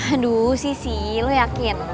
aduh sisi lo yakin